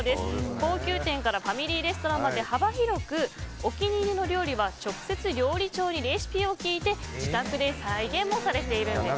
高級店からファミリーレストランまで幅広くお気に入りの料理は直接料理長にレシピを聞いて自宅で再現もされているんです。